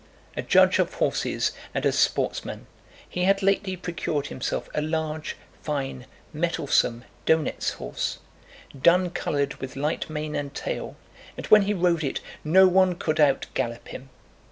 A judge of horses and a sportsman, he had lately procured himself a large, fine, mettlesome, Donéts horse, dun colored, with light mane and tail, and when he rode it no one could outgallop him.